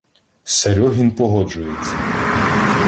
Серьогін погоджується.